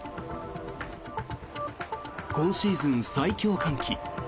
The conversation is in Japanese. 今シーズン最強寒気。